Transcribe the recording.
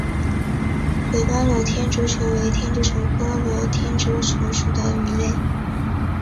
尾斑裸天竺鲷为天竺鲷科裸天竺鲷属的鱼类。